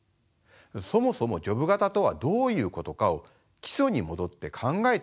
そもそもジョブ型とはどういうことかを基礎に戻って考えてみましょう。